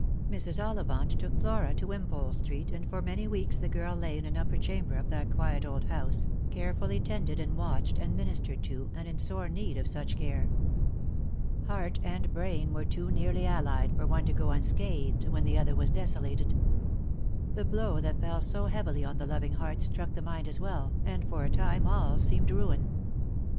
Mks. Olltvant took Flora to Wimpole street, and for many weeks the girl lay in an upper chamber of that quiet old houtee, carefully tended and watched and ministered to, and in sore need of such care. Heart and brain were too nearly allied for one to go unscathed when the other was desolated. The blow that fell so heavily on the loving heart struck the mind as well, and for a time all seemed ruin.